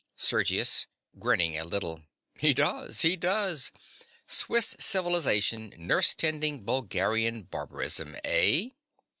SERGIUS. (grinning a little). He does, he does. Swiss civilization nursetending Bulgarian barbarism, eh?